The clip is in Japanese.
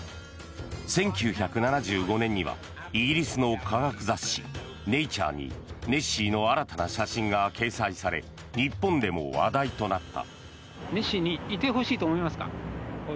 １９７５年にはイギリスの科学雑誌「ネイチャー」にネッシーの新たな写真が掲載され日本でも話題となった。